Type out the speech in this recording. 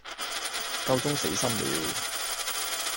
夠鐘死心了